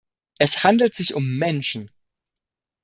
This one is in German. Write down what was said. Es handelt sich um Menschen.